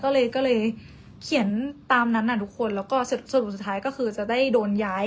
ก็เลยก็เลยเขียนตามนั้นทุกคนแล้วก็สรุปสุดท้ายก็คือจะได้โดนย้าย